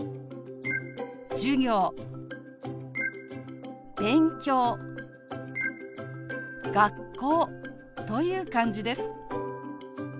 「授業」「勉強」「学校」という感じです。